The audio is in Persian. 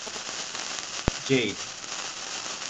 جید